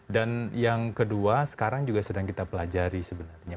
dan yang kedua sekarang juga sedang kita pelajari sebenarnya